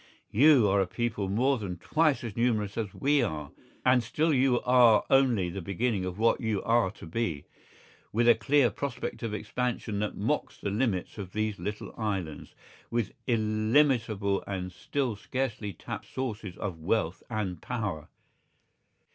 You are a people more than twice as numerous as we are, and still you are only the beginning of what you are to be, with a clear prospect of expansion that mocks the limits of these little islands, with illimitable and still scarcely tapped sources of wealth and power.